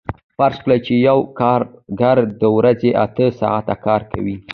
فرض کړئ چې یو کارګر د ورځې اته ساعته کار کوي